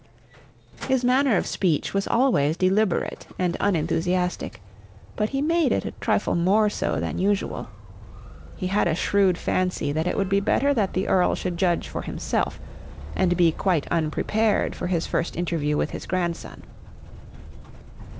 His manner of speech was always deliberate and unenthusiastic, but he made it a trifle more so than usual. He had a shrewd fancy that it would be better that the Earl should judge for himself, and be quite unprepared for his first interview with his grandson.